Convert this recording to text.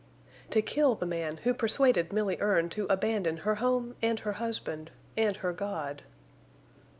"To kill the man who persuaded Milly Erne to abandon her home and her husband—and her God!"